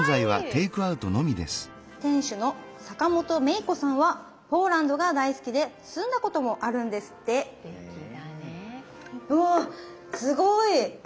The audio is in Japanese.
店主の坂元萌衣子さんはポーランドが大好きで住んだこともあるんですってうわすごい！